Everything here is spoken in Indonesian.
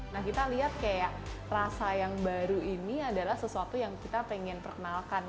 nah kita lihat kayak rasa yang baru ini adalah sesuatu yang kita pengen perkenalkan